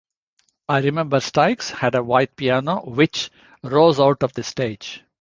I remember Styx had a white piano which rose out of the stage.